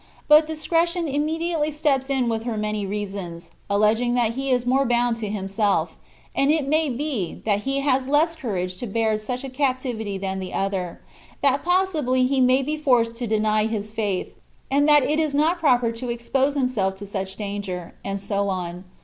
But discretion immediately steps in with her many reasons, alleging that he is more bound to himself; and it may be, that he has less courage to bear such a captivity than the other ; that pos sibly he may be forced to deny his faith, and that it is not proper to expose himself to such danger, and so on.